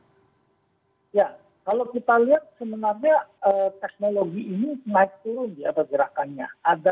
ya kalau kita lihat sebenarnya teknologi ini naik turun ya pergerakannya